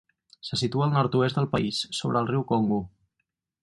Se situa al nord-oest del país, sobre el riu Congo.